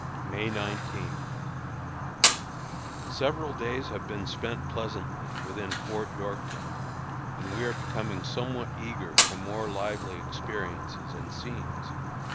May 19. Several days have been spent pleasantly within Fort Yorktown, and we are becoming somewhat eager for more lively experiences and scenes.